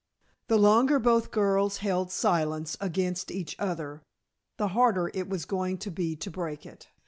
The longer both girls held silence against each other, the harder it was going to be to break it.